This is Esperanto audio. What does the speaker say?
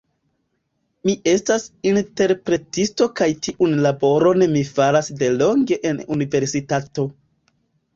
Mi estas interpretisto kaj tiun laboron mi faras delonge en universitato.